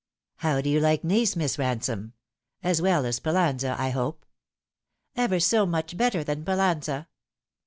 "How do you like Nice, Miss Kansome? As well as Pal lanza, I hope ?"" Ever so much better than Pallanza."